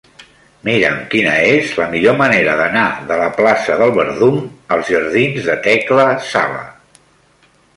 Mira'm quina és la millor manera d'anar de la plaça del Verdum als jardins de Tecla Sala.